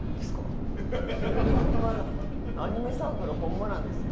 ホンマアニメサークルホンマなんですか？